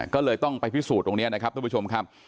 ก็เลยต้องไปพิสูจน์ตรงนี้นะครับทุกผู้ชมครับ